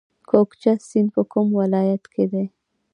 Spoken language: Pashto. کوکچه سیند په کوم ولایت کې دی؟